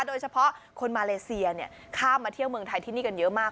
โดยเฉพาะคนมาเลเซียข้ามมาเที่ยวเมืองไทยที่นี่กันเยอะมาก